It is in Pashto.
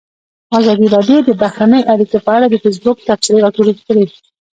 ازادي راډیو د بهرنۍ اړیکې په اړه د فیسبوک تبصرې راټولې کړي.